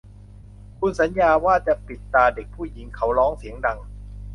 คุณสัญญาว่าจะปิดตาเด็กผู้หญิงเขาร้องเสียงดัง